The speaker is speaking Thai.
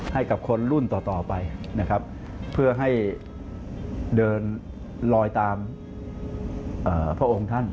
ให้กับคนรุ่นต่อไปนะครับเพื่อให้เดินลอยตามพระองค์ท่าน